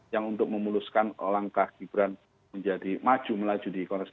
yang untuk memuluskan langkah gibran menjadi maju melaju di korespon